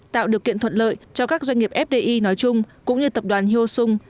tạo điều kiện thuận lợi cho các doanh nghiệp fdi nói chung cũng như tập đoàn hyo sung